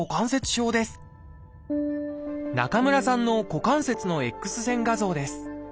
中村さんの股関節のＸ線画像です。